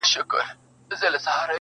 په نارو هم كليوال او هم ښاريان سول!.